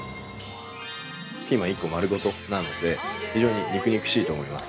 ◆ピーマン１個丸ごとなので、非常に肉々しいと思います。